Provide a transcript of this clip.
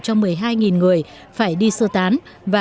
cho một mươi hai người phải đi sơ tán